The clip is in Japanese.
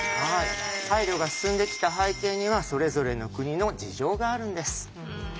配慮が進んできた背景にはそれぞれの国の事情があるんです。